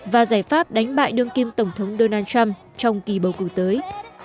và giải pháp đánh bại đương kim tổng thống donald trump trong kỳ bầu cử tới